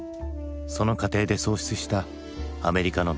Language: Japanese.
その過程で喪失したアメリカの美徳。